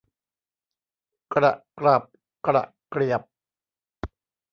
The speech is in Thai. กระกรับกระเกรียบ